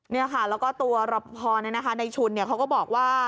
นี่ค่ะแล้วก็ตัวรอปภในชุนเขาก็บอกว่า